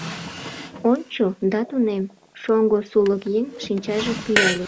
— Ончо да тунем, — шоҥго сулыкъеҥ шинчажым пӱяле.